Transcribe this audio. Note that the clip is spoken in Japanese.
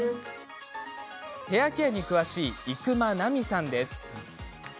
ヘアケアに詳しい伊熊奈美さんです。